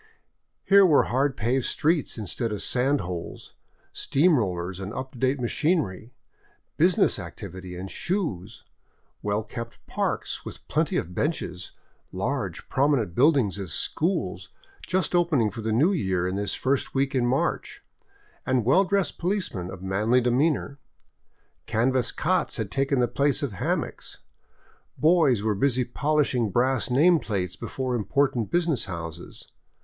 Here were hard paved streets instead of sand holes, steam road rollers and up to date machinery, business activity and shoes, well kept parks with plenty of benches, large, prominent buildings as schools — just opening for the new year in this first week in March — and well dressed policemen of manly demeanor. Canvas cots had taken the place of hammocks. Boys were busy polishing brass name plates before important business houses.